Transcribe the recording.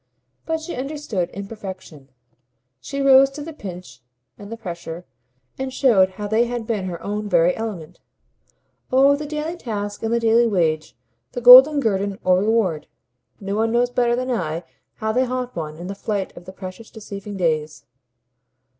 But she understood in perfection; she rose to the pinch and the pressure and showed how they had been her own very element. "Oh the daily task and the daily wage, the golden guerdon or reward? No one knows better than I how they haunt one in the flight of the precious deceiving days.